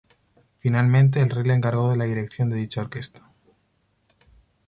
Finalmente el rey le encargó de la dirección de dicha orquesta.